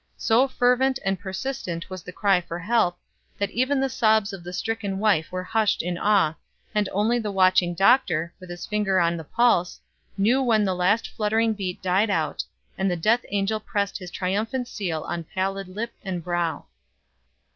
So fervent and persistent was the cry for help, that even the sobs of the stricken wife were hushed in awe, and only the watching doctor, with his finger on the pulse, knew when the last fluttering beat died out, and the death angel pressed his triumphant seal on pallid lip and brow.